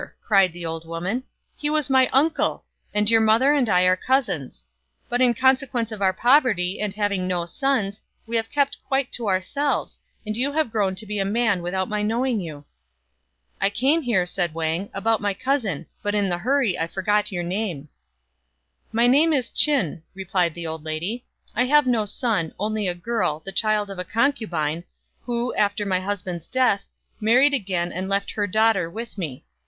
cried the old woman, "he was my uncle, and your mother and I are cousins. But in consequence of our poverty, and having no sons, we have kept quite to our selves, and you have grown to be a man without my knowing you." "I came here," said Wang, "about my 112 STRANGE STORIES cousin, but in the hurry I forgot your name." " My name is Ch'in," replied the old lady ;" I have no son : only a girl, the child of a concubine, who, after my husband's death, married again 4 and left her daughter with me.